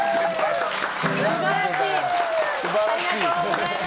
ありがとうございます。